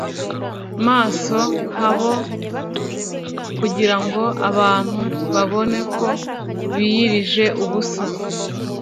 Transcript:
Maso habo kugira ngo abantu babone ko biyirije ubusa